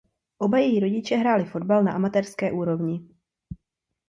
Oba její rodiče hráli fotbal na amatérské úrovni.